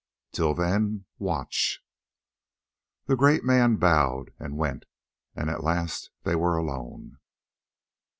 Till then, watch!" The great man bowed and went, and at last they were alone.